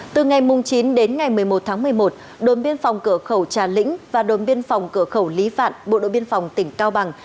từ ngày chín đến ngày một mươi một tháng một mươi một đồn biên phòng cửa khẩu trà lĩnh và đồn biên phòng cửa khẩu lý vạn bộ đội biên phòng tỉnh cao bằng